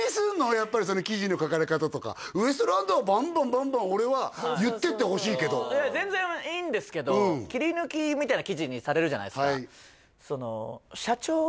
やっぱり記事の書かれ方とかウエストランドはばんばんばんばん俺は言っていってほしいけど全然いいんですけど切り抜きみたいな記事にされるじゃないですか